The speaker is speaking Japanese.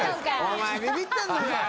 お前びびってるのかよ」